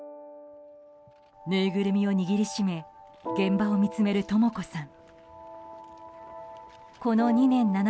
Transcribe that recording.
ぬいぐるみを握りしめ現場を見つめる、とも子さん。